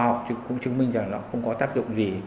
học cũng chứng minh rằng là nó không có tác dụng gì